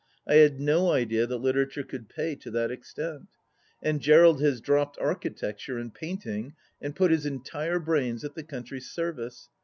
I had no idea that literature could pay to that extent ? And Gerald has dropped architecture and painting and put his entire brains at the country's service.